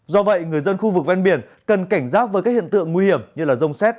do vậy người dân khu vực ven biển cần cảnh giác với các hiện tượng nguy hiểm như rông xét